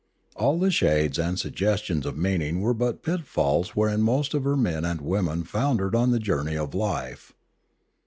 All the shades and suggestions of meaning were but pitfalls wherein most of her men and women foundered on the journey of life.